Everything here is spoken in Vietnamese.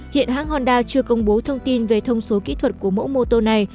hiện hãng honda chưa công bố thông tin về thông số kỹ thuật của mẫu mô tô này